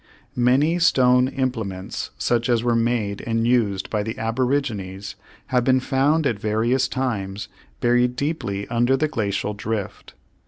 Many stone implements such as were made and used by the aborigines have been found at various times buried deeply under the glacial drift.